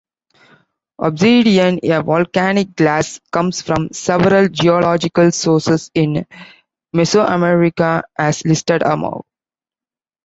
Obsidian, a volcanic glass, comes from several geological sources in Mesoamerica, as listed above.